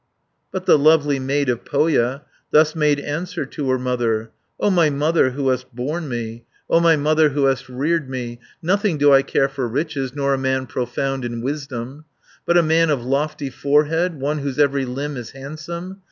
But the lovely maid of Pohja, Thus made answer to her mother: "O my mother who hast borne me, O my mother who hast reared me, Nothing do I care for riches, Nor a man profound in wisdom, 640 But a man of lofty forehead, One whose every limb is handsome.